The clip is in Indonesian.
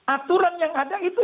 aturan yang ada itu